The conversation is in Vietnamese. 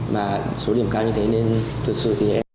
mà số điểm cao như thế nên thật sự